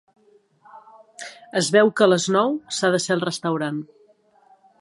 Es veu que a les nou s'ha de ser al restaurant.